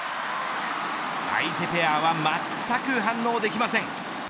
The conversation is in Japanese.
相手ペアはまったく反応できません。